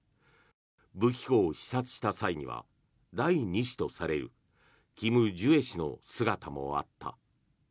武器庫を視察した際には第２子とされるキム・ジュエ氏の姿もあった。